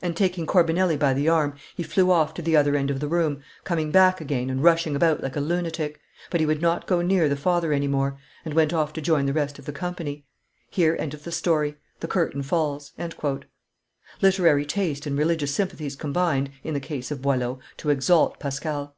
And, taking Corbinelli by the arm, he flew off to the other end of the room, coming back again, and rushing about like a lunatic; but he would not go near the father any more, and went off to join the rest of the company. Here endeth the story; the curtain falls." Literary taste and religious sympathies combined, in the case of Boileau, to exalt Pascal.